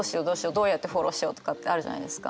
どうやってフォローしようとかってあるじゃないですか。